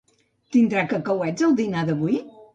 Tindrà cacauets el dinar d'avui?